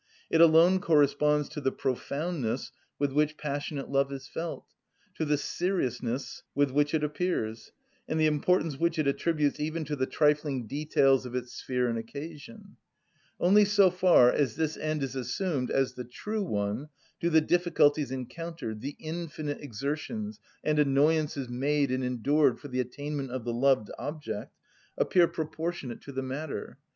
It alone corresponds to the profoundness with which passionate love is felt, to the seriousness with which it appears, and the importance which it attributes even to the trifling details of its sphere and occasion. Only so far as this end is assumed as the true one do the difficulties encountered, the infinite exertions and annoyances made and endured for the attainment of the loved object, appear proportionate to the matter.